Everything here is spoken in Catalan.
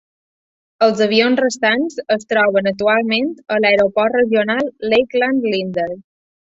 Els avions restants es troben actualment a l'Aeroport Regional Lakeland Linder.